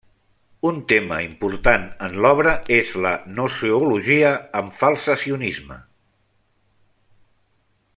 Un tema important en l'obra és la gnoseologia amb falsacionisme.